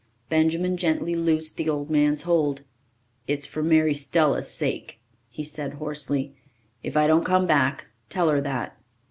Benjamin gently loosed the old man's hold. "It's for Mary Stella's sake," he said hoarsely. "If I don't come back, tell her that."